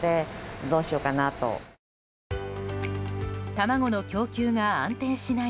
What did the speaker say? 卵の供給が安定しない